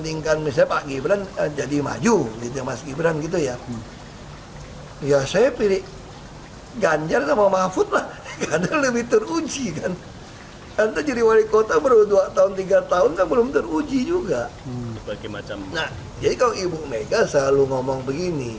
nah jadi kalau ibu megasal lu ngomong begini